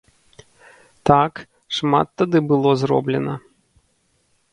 Так, шмат тады было зроблена!